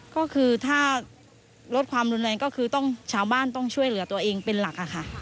ก็คือถ้าลดความรุนแรงก็คือต้องชาวบ้านต้องช่วยเหลือตัวเองเป็นหลักค่ะ